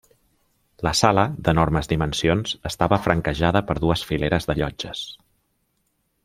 La sala, d'enormes dimensions, estava franquejada per dues fileres de llotges.